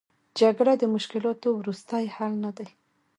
جګړه د مشکلاتو وروستۍ حل نه دی.